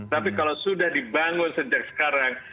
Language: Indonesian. tapi kalau sudah dibangun sejak sekarang